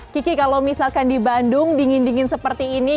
kiki kalau misalkan di bandung dingin dingin seperti ini